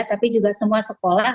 tapi juga semua sekolah